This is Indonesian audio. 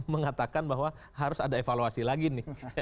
mengatakan bahwa harus ada evaluasi lagi nih